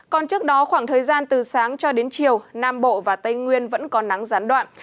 còn trước đó khoảng thời gian từ sáng cho đến chiều nam bộ và tây nguyên vẫn có nắng gián đoạn